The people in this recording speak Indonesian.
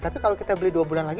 tapi kalau kita beli dua bulan lagi